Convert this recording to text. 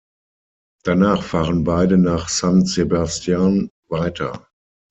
Danach fahren beide nach San Sebastián weiter.